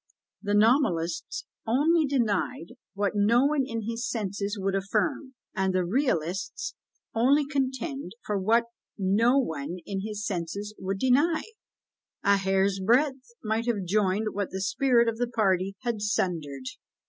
The Nominalists only denied what no one in his senses would affirm; and the Realists only contended for what no one in his senses would deny; a hair's breadth might have joined what the spirit of party had sundered!